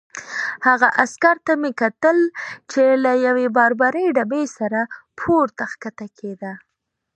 هغه عسکر ته مې کتل چې له یوې باربرې ډبې سره پورته کښته کېده.